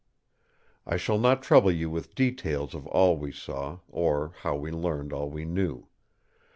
"I shall not trouble you with details of all we saw, or how we learned all we knew.